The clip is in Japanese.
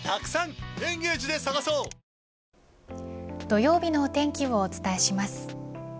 土曜日のお天気をお伝えします。